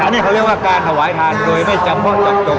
อันนี้เขาเรียกว่าการหวายทานโดยไม่จำก็จัดโจทย์